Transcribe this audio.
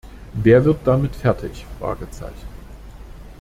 Wer wird damit fertig?